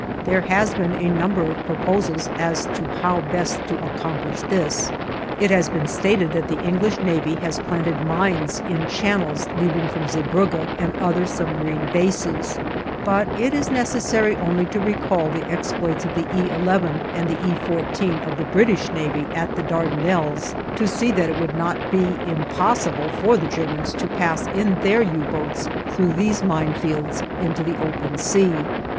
There has been a number of proposals as to how best to accomplish this. It has been stated that the English Navy has planted mines in channels leading from Zeebrugge and other submarine bases; but it is necessary only to recall the exploits of the E 11 and the E 14 of the British Navy at the Dardanelles, to see that it would not be impossible for the Germans to pass in their U boats through these mine fields into the open sea.